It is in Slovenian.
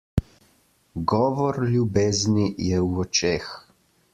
Govor ljubezni je v očeh.